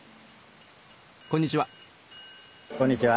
こんにちは。